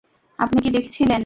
আপনি কি দেখেছিলেন?